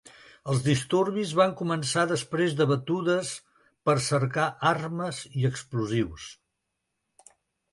Els disturbis van començar després de batudes per a cercar armes i explosius.